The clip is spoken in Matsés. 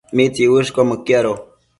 ¿mitsiuëshquio mëquiado?